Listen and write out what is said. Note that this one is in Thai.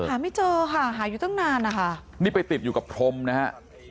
หาไม่เจอค่ะหาอยู่ตั้งนานนะคะนี่ไปติดอยู่กับพรมนะฮะ